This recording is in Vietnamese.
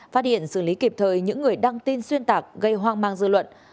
phát hiện xử lý kịp thời những người đăng tin xuyên tạc gây hoang mang dư luận